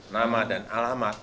nama dan alamat